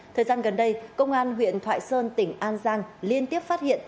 thời gian gần đây công an huyện thoại sơn tỉnh an giang liên tiếp phát hiện